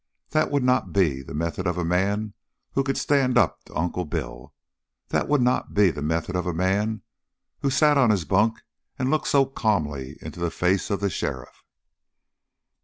That would not be the method of a man who could stand up to Uncle Bill. That would not be the method of the man who had sat up on his bunk and looked so calmly into the face of the sheriff.